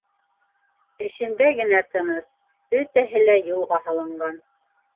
Эшендә генә тыныс: бөтәһе лә юлға һалынған.